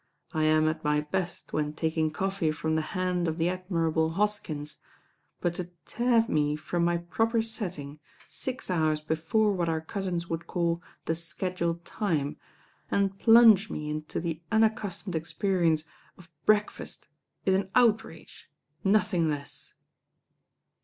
I am at my best when taking coffee from the hand of the admirable Hoskins; but to tear me from my proper setting six hours before what our ll^cousins would call 'the scheduled time,' and plunge ^^^ into the unaccustomed experience of breakfast ^4ii^«ltrage, nothing less."